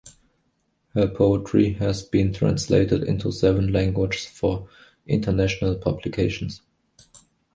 Her poetry has been translated into seven languages for international publications.